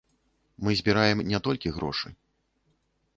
Мы збіраем не толькі грошы.